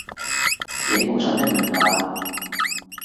你唔好再匿名喇